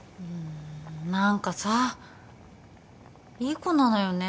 何かさいい子なのよね